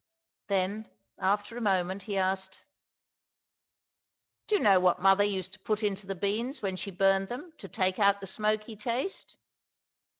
Then after a moment he asked: "Do you know what Mother used to put into the beans when she burned them to take out the smoky taste?"